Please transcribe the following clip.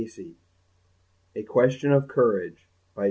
net A Question Of Courage By J.